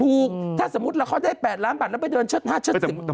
ถูกถ้าสมมุติเราเขาได้แปดล้านบาทแล้วไปเดินเชิดห้าเชิดสิบ